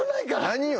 何？